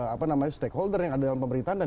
apa namanya stakeholder yang ada dalam pemerintahan dan